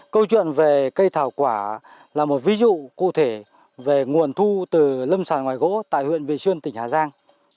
câu chuyện về cây thảo quả là một ví dụ cụ thể về nguồn thu từ lâm sàng ngoài gỗ tại huyện vị xuyên tỉnh hà giang